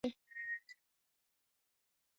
د عاید ویش انډول د پرمختیا یو مهم شاخص دی.